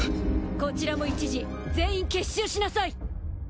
こちらも一時全員結集しなさい！